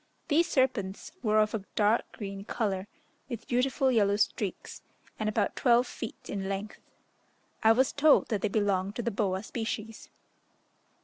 These serpents were of a dark green colour, with beautiful yellow streaks, and about twelve feet in length. I was told that they belonged to the boa species.